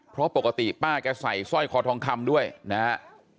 เพราะปกติป้าแกใส่สร้อยคอทองคำด้วยนะฮะ